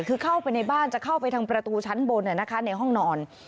คือเข้าไปในบ้านจะเข้าไปทางประตูชั้นบนในห้องนอน